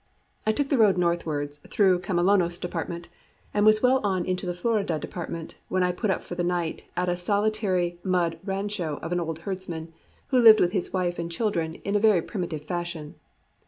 I took the road northwards through Camelones department, and was well on into the Florida department when I put up for the night at the solitary mud rancho of an old herdsman, who lived with his wife and children in a very primitive fashion.